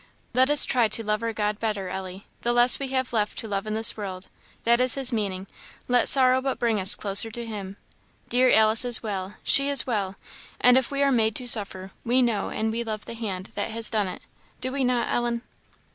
"Let us try to love our God better, Ellie, the less we have left to love in this world; that is His meaning let sorrow but bring us closer to him. Dear Alice is well she is well, and if we are made to suffer, we know and we love the hand that has done it; do we not, Ellen?"